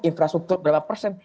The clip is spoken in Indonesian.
infrastruktur berapa persen